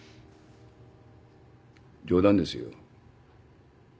冗談ですよ。